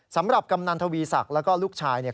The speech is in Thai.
สำหรับกำหนันทวีศักดิ์และก็ลูกชายเนี่ย